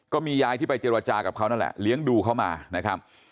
ก็มียายที่ไปเจรจากับเขานั่นแหละเลี้ยงดูเขามานะครับ